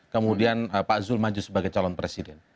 kemudian pak zul maju sebagai calon presiden